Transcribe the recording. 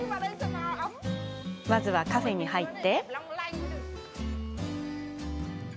まずはカフェに入って。